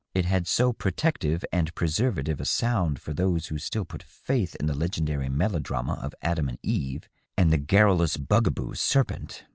It had so protective and preservative a sound for those who still put faith in the legendary melodrama of Adam and Eve and the garrulous, bugaboo serpent